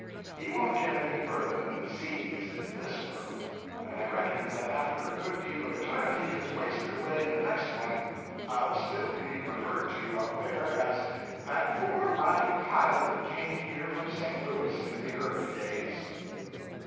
He won't get any further than the C's in _this _world, and I reckon that after a good deal of eternity has wasted away in the next one, I'll still be referred to up there as "that poor, ragged pilot that came here from St. Louis in the early days!"